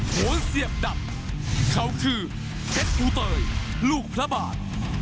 โห้เซียบดับเขาคือเผชอุเตยลูกพระบาท